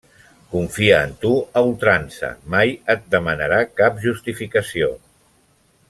Confia en tu a ultrança. Mai et demanarà cap justificació.